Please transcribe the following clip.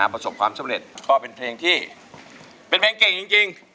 ประสบความสำเร็จก็เป็นเพลงที่เป็นเพลงเก่งจริง